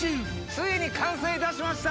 ついに完成いたしました！